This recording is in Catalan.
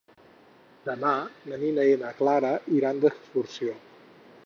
Demà na Nina i na Clara iran d'excursió.